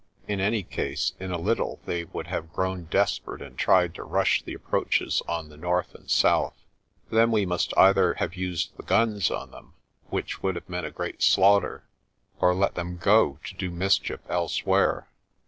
In any case, in a little they would have grown desperate and tried to rush the approaches on the north and south. Then we must either have used the guns on them, which would have meant a great slaughter, or let them go to do mischief else where.